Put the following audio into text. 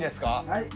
はい。